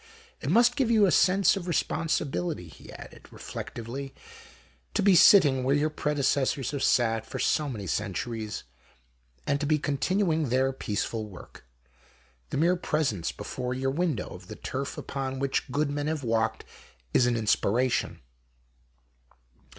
It must give you a sense of responsibility, he added, reflectively, to be sitting where your predecessors have sat for 13 (JHOST TALES. SO many centuries and to be continuing their peaceful work. The mere presence before your window, of the turf upon which good men have walked, is an inspiration.